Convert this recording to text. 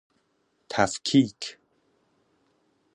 تفکیک